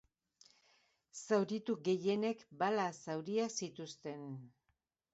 Zauritu gehienek bala-zauriak zituzten.